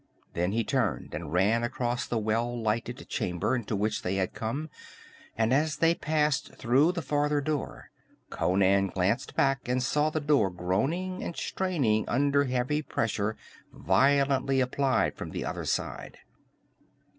Then he turned and ran across the well lighted chamber into which they had come, and as they passed through the farther door, Conan glanced back and saw the door groaning and straining under heavy pressure violently applied from the other side.